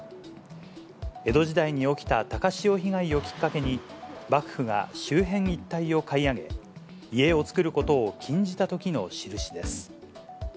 江戸時代に起きた高潮被害をきっかけに、幕府が周辺一帯を買い上げ、家を作ることを禁じたときのしるしです。